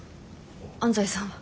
安西さんは？